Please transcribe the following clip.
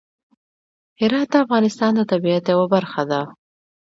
هرات د افغانستان د طبیعت یوه برخه ده.